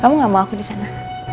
kamu gak mau aku disana